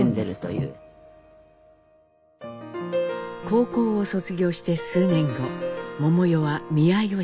高校を卒業して数年後百代は見合いをします。